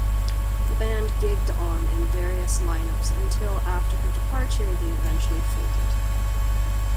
The band gigged on in various lineups until, after her departure they eventually folded.